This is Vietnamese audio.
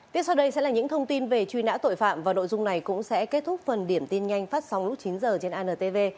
tiếp sau đây sẽ là những thông tin về truy nã tội phạm và nội dung này cũng sẽ kết thúc phần điểm tin nhanh phát sóng lúc chín h trên antv